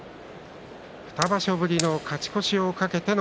２場所ぶりの勝ち越しを懸けます。